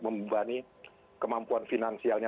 membebani kemampuan finansialnya